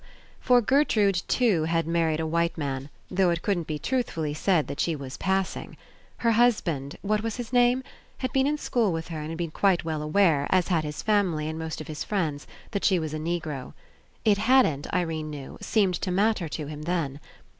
For Gertrude too had married a white man, though It couldn't be truthfully said that she was "passing." Her husband — what was his name? — had been In school with her and had been quite well aware, as had his family and most of his friends, that she was a Negro. It hadn't, Irene knew, seemed to matter to him then.